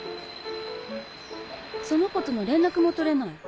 その子との連絡も取れない？